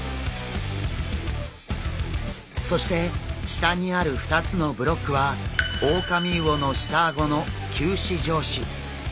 そして下にある２つのブロックはオオカミウオの下顎の臼歯状歯。